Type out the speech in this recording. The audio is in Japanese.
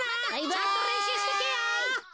ちゃんとれんしゅうしとけよ。